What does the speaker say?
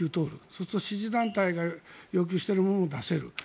そうすると支持団体が要求しているものも出せる。